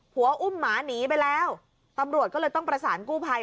อุ้มหมาหนีไปแล้วตำรวจก็เลยต้องประสานกู้ภัย